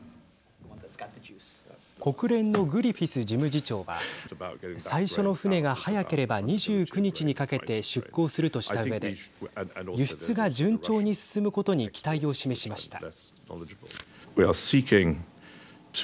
国連のグリフィス事務次長は最初の船が早ければ２９日にかけて出港するとしたうえで輸出が順調に進むことに期待を示しました。